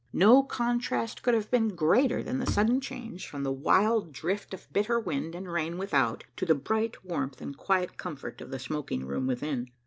No contrast could have been greater than the sudden change from the wild drift of bitter wind and rain without to the bright warmth and quiet comfort of the smoking room within.